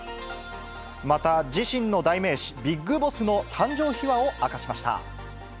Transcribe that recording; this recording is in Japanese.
また自身の代名詞、ビッグボスの誕生秘話を明かしました。